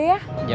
nggak kaya aja